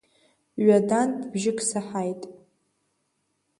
Ҩадантә бжьык саҳаит.